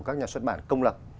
các nhà xuất bản công lập